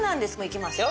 いきますよ。